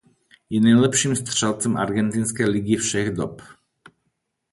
Je nejlepším střelcem argentinské ligy všech dob.